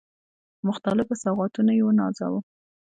په مختلفو سوغاتونو يې ونازاوه.